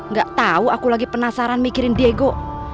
gak tau aku lagi penasaran mikirin diego